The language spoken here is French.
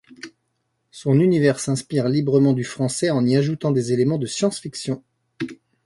Son univers s'inspire librement du français en y ajoutant des éléments de science-fiction.